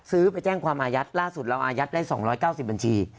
ไปแจ้งความอายัดล่าสุดเราอายัดได้๒๙๐บัญชี